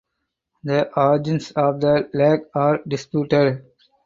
The origins of the lake are disputed.